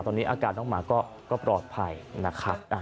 ตอนนี้อาการน้องหมาก็ปลอดภัยนะครับ